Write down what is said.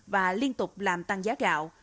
và liên tục làm tăng giá gạo